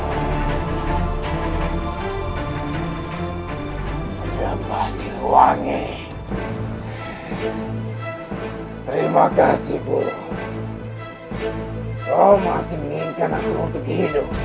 ah ah ah ah ah ah hai bergembang siluwangi terima kasih bu kau masih minta aku untuk hidup